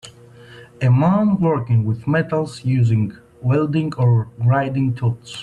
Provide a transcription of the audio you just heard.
A man working with metals using welding or grinding tools.